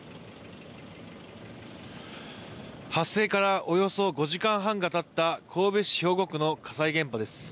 発生からおよそ５時間半がたった、神戸市兵庫区の火災現場です。